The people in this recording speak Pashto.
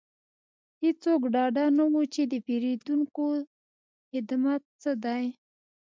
هیڅوک ډاډه نه وو چې د پیرودونکو خدمت څه دی